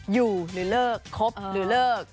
อยู่หรือเลิกคบหรือเลิก